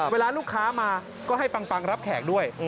เวลาลูกค้ามาก็ให้ปังรับแขกด้วย